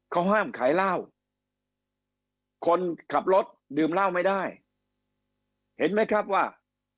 เขาห้ามขายเหล้าคนขับรถดื่มเหล้าไม่ได้เห็นไหมครับว่า